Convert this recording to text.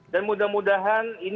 dan mudah mudahan ini